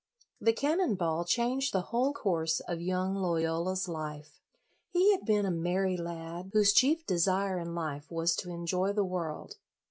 The cannon ball changed the whole course of young Loyola's life. He had been a merry lad, whose chief desire in life was to enjoy the world.